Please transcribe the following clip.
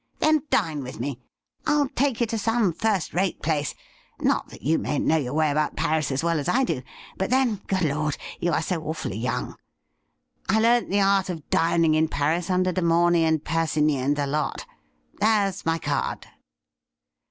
'Then dine with me. I'll take you to some first rate place — not that you mayn't know your way about Paris as well as I do ; but, then, good Lord ! you are so awfully young ! I learned the art of dining in Paris mider De Momy and Persigny, and the lot. There's my card.'